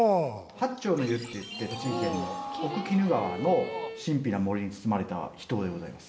「八丁の湯」っていって栃木県の奥鬼怒川の神秘な森に包まれた秘湯でございます。